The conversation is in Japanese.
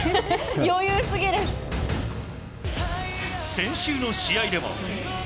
先週の試合でも。